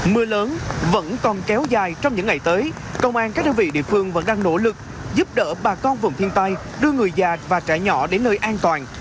mưa lớn vẫn còn kéo dài trong những ngày tới công an các đơn vị địa phương vẫn đang nỗ lực giúp đỡ bà con vùng thiên tai đưa người già và trẻ nhỏ đến nơi an toàn